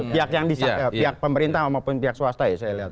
pihak yang bisa pihak pemerintah maupun pihak swasta